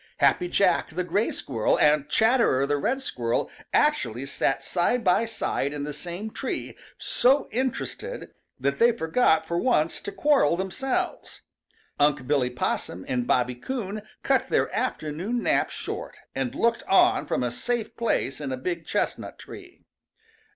Happy Jack the Gray Squirrel and Chatterer the Red Squirrel actually sat side by side in the same tree, so interested that they forgot for once to quarrel themselves. Unc' Billy Possum and Bobby Coon cut their afternoon nap short and looked on from a safe place in a big chestnut tree.